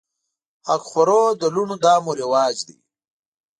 حق خورو د لوڼو دا مو رواج دی